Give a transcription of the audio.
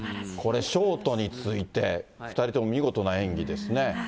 これ、ショートに続いて、２人とも見事な演技ですね。